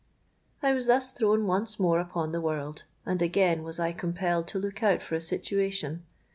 "I was thus thrown once more upon the world; and again was I compelled to look out for a situation.